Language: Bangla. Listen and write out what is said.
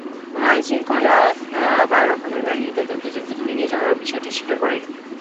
কোনো আইশৃঙ্খলা রক্ষাকারী বাহিনীই তাঁদের দুজনকে ধরে নিয়ে যাওয়ার বিষয়টি স্বীকার করেনি।